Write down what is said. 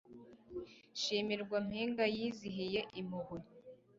shimirwa mpinga yizihiye impuhwe